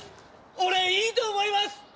俺いいと思います